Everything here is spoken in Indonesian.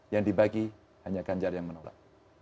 yang dibagi hanya ganjar yang menolak